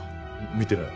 見てない。